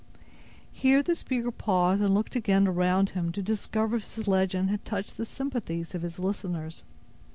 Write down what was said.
Here the speaker paused, and again looked around him to discover if his legend had touched the sympathies of his listeners.